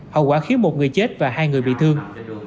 hậu quả khiến một người chết và hai người bị thương